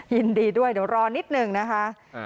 ยินดีด้วยเดี๋ยวรอนิดหนึ่งนะคะ